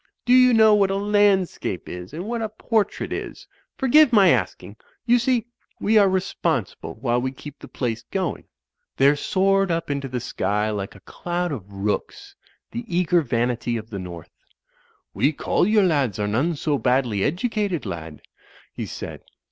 Do you know what a landscape is and what a portrait is? Forgive my asking; you see we are responsible while we keep the place going." Digitized by CjOOQIC 258 THE FLYING INN There soared up into the sky like a cloud of rooks the eager vanity of the North. ''We collier lads are none so badly educated, lad/' he said.